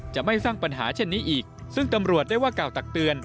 จะไม่สร้างปัญหาเช่นนี้อีกซึ่งตำรวจได้ว่ากล่าวตักเตือน